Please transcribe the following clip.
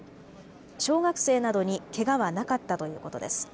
小学生などにけがはなかったということです。